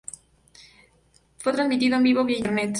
Fue transmitido en vivo vía internet.